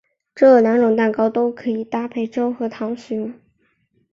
这两种蛋糕都可以搭配粥和糖食用。